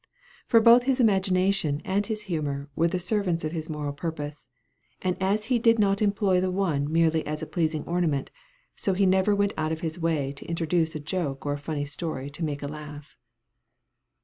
For both his imagination and his humor were the servants of his moral purpose; and as he did not employ the one merely as a pleasing ornament, so he never went out of his way to introduce a joke or a funny story to make a laugh.